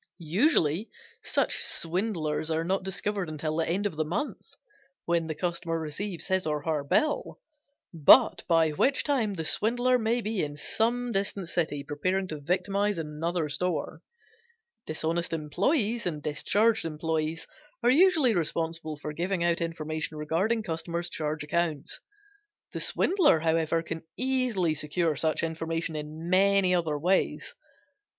Usually such swindlers are not discovered until the end of a month, when the customer receives his or her bill, but by which time the swindler may be in some distant city preparing to victimize another store. Dishonest employes and discharged employes are usually responsible for giving out information regarding customers' charge accounts. The swindler, however, can easily secure such information in many other ways.